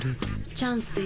チャンスよ